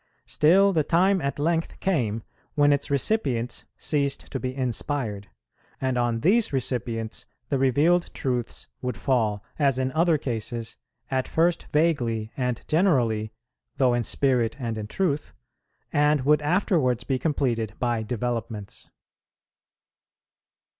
Still, the time at length came, when its recipients ceased to be inspired; and on these recipients the revealed truths would fall, as in other cases, at first vaguely and generally, though in spirit and in truth, and would afterwards be completed by developments.